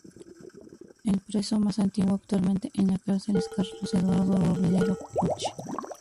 El preso más antiguo actualmente en la cárcel es Carlos Eduardo Robledo Puch.